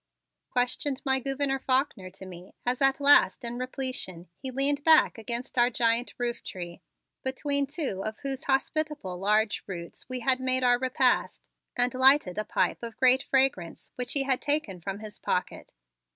questioned my Gouverneur Faulkner to me as at last in repletion he leaned back against our giant rooftree, between two of whose hospitable large roots we had made our repast, and lighted a pipe of great fragrance which he had taken from his pocket.